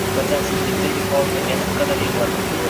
Vatansizlikda yig’lolmaganim qadar yig’ladim.